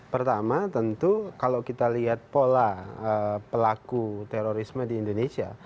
pertama tentu kalau kita lihat pola pelaku terorisme di indonesia